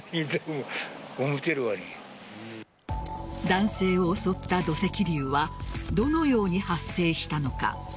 男性を襲った土石流はどのように発生したのか。